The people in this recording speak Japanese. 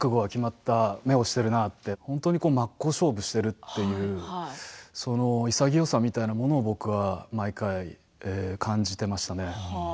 本当に真っ向勝負しているというその潔さみたいなものを僕は毎回、感じていましたね。